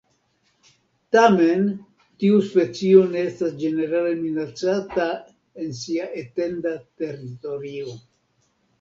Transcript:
Tamen, tiu specio ne estas ĝenerale minacata en sia etenda teritorio.